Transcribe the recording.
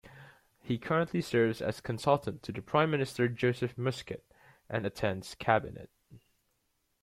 He currently serves as consultant to the Prime Minister Joseph Muscat and attends Cabinet.